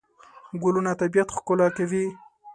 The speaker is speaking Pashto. ګلونه طبیعت ښکلا کوي.